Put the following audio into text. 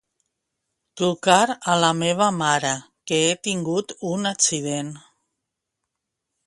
Trucar a la meva mare, que he tingut un accident.